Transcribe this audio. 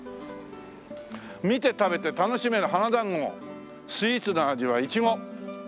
「見て食べて楽しめる“花だんご”」「スイーツの味はいちご」